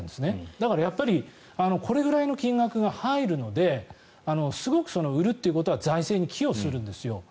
だからやっぱりこれぐらいの金額が入るのですごく、売るっていうことは財政に寄与するんですよ。